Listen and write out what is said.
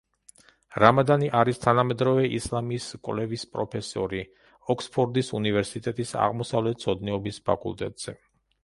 რამადანი არის თანამედროვე ისლამის კვლევის პროფესორი, ოქსფორდის უნივერსიტეტის აღმოსავლეთმცოდნეობის ფაკულტეტზე.